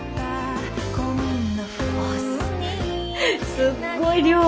すごい量。